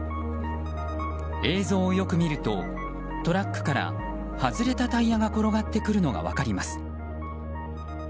映像をよく見るとトラックから外れたタイヤが転がってくるのが分かります。